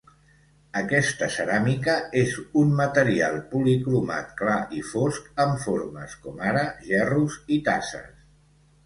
Aquesta ceràmica és un material policromat clar i fosc, amb formes, com ara gerros i tasses.